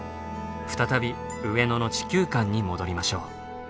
再び上野の地球館に戻りましょう。